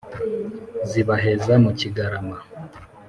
Zibaheza mu kigarama